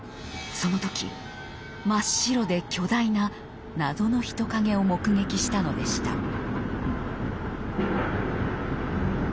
その時真っ白で巨大な謎の人影を目撃したのでした。